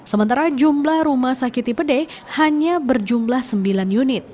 sementara jumlah rumah sakit tipe d hanya berjumlah sembilan unit